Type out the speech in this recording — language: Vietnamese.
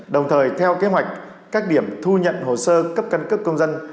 đồng thời theo kế hoạch các điểm thu nhận hồ sơ cấp căn cước công dân